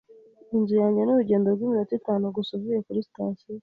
Inzu yanjye ni urugendo rw'iminota itanu gusa uvuye kuri sitasiyo.